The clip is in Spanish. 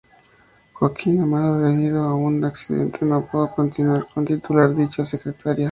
Joaquín Amaro debido a un accidente no pudo continuar como titular de dicha Secretaría.